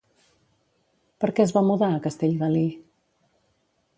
Per què es va mudar a Castellgalí?